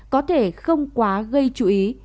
có thể không quá gây chú ý